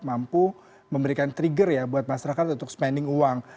mampu memberikan trigger ya buat masyarakat untuk spending uang